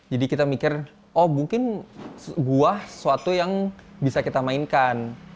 jadi kita mikir oh mungkin buah sesuatu yang bisa kita mainkan